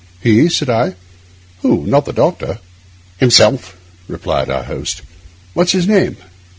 'He?' said I. 'Who?—not the doctor?' 'Himself,' replied our host. 'What is his name?